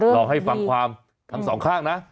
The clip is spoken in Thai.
ลองให้ฟังความทั้งสองข้างนะ